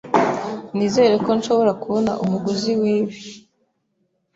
Nizere ko nshobora kubona umuguzi wibi.